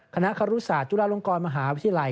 คณะครุศาสตุลาลงกรมหาวิทยาลัย